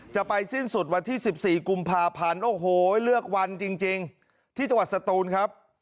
จะไปสิ้นสุดวันที่๑๔กุมภาพันธ์โอ้โหเลือกวันจริงที่จังหวัดสตูนครับ